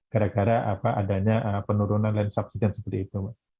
gara gara apa adanya penurunan land subsidence seperti itu